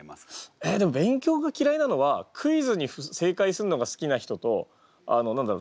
えでも勉強が嫌いなのはクイズに正解すんのが好きな人とあの何だろう？